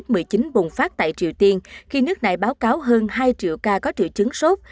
covid một mươi chín bùng phát tại triều tiên khi nước này báo cáo hơn hai triệu ca có triệu chứng sốt